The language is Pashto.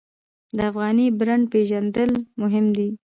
د افغاني برنډ پیژندل مهم دي